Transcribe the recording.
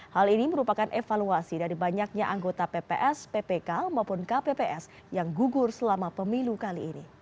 hal ini merupakan evaluasi dari banyaknya anggota pps ppk maupun kpps yang gugur selama pemilu kali ini